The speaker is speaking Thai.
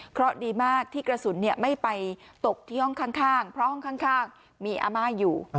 เพราะดีมากที่กระสุนไม่ไปตกที่ห้องข้างเพราะห้องข้างมีอาม่าอยู่